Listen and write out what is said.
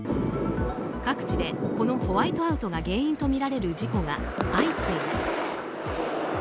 各地で、このホワイトアウトが原因とみられる事故が相次いだ。